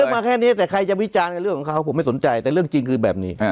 มาแค่นี้แต่ใครจะวิจารณ์กับเรื่องของเขาผมไม่สนใจแต่เรื่องจริงคือแบบนี้